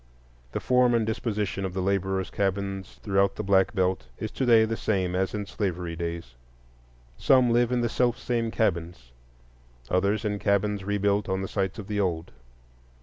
The form and disposition of the laborers' cabins throughout the Black Belt is to day the same as in slavery days. Some live in the self same cabins, others in cabins rebuilt on the sites of the old.